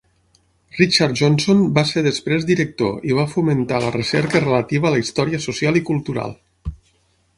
Richard Johnson va ser després director i va fomentar la recerca relativa a la història social i cultural.